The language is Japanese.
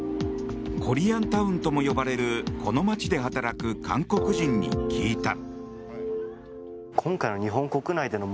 コリアンタウンとも呼ばれるこの街で働く韓国人に聞いた。